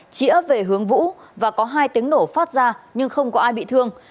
chỉ ấp về hướng vũ và có hai tiếng nổ phát ra nhưng không có ai bị thương